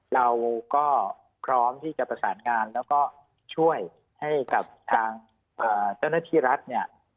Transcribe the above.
เราก็พร้อมที่จะประสานงานแล้วก็ช่วยให้กับทางเจ้าหน้าที่รัฐเนี่ย